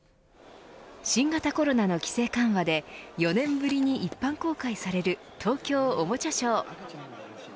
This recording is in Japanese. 新型コロナの規制緩和で４年ぶりに一般公開される東京おもちゃショー。